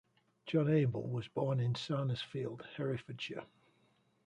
John Abel was born in Sarnesfield, Herefordshire.